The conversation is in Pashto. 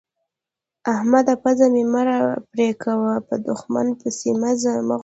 احمده! پزه مې مه راپرې کوه؛ به دوښمنه پيسې مه غواړه.